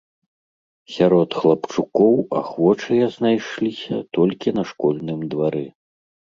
Сярод хлапчукоў ахвочыя знайшліся толькі на школьным двары.